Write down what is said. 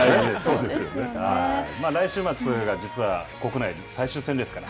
来週末が実は国内での最終戦ですから。